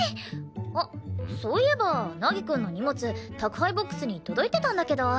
あっそういえば凪くんの荷物宅配ボックスに届いてたんだけど。